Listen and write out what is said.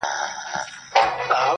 د بلبل په نوم هیچا نه وو بللی-